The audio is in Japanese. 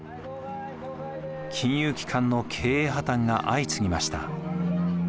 金融機関の経営破綻が相次ぎました。